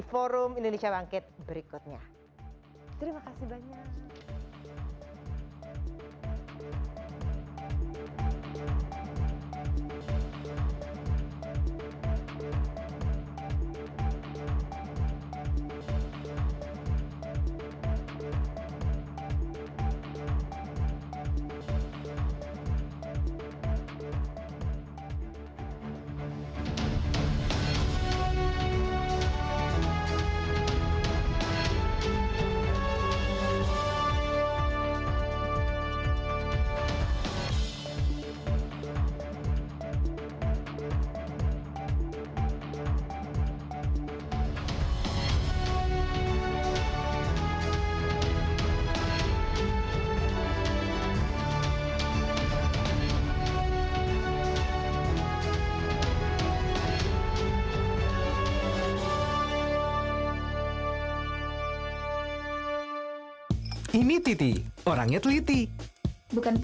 tidak terlalu khawatir asal tetap